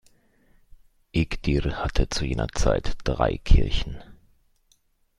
Iğdır hatte zu jener Zeit drei Kirchen.